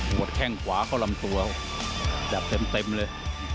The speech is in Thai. แข้งขวาเข้าลำตัวจัดเต็มเลย